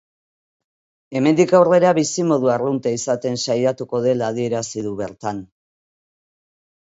Hemendik aurrera bizimodu arrunta izaten saiatuko dela adierazi du bertan.